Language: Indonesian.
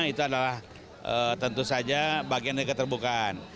itu adalah tentu saja bagian dari keterbukaan